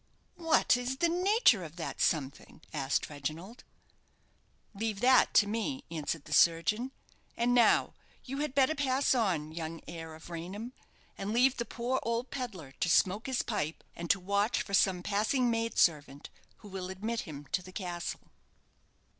"What is the nature of that something?" asked Reginald. "Leave that to me," answered the surgeon; "and now you had better pass on, young heir of Raynham, and leave the poor old pedlar to smoke his pipe, and to watch for some passing maid servant who will admit him to the castle."